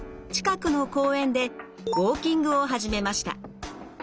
近くの公園でウォーキングを始めました。